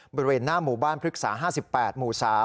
บริเวณหน้าหมู่บ้านพฤกษา๕๘หมู่๓